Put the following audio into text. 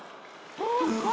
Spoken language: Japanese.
うわ！